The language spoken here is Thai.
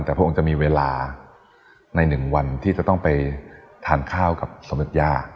แต่พระองค์จะมีเวลาใน๑วันที่จะต้องไปทานข้าวกับสมเด็จย่า